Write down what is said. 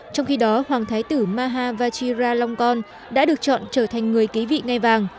trong khi đó hoàng thái tử mahavachira longkorn đã được chọn trở thành người ký vị ngai vàng